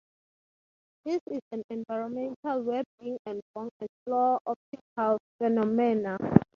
This is an environment where Bing and Bong explore optical phenomena.